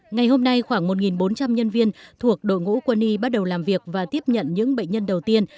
ngày hôm nay khoảng một bốn trăm linh nhân viên thuộc đội ngũ quân y bắt đầu làm việc và tiếp nhận những bệnh nhân đầu tiên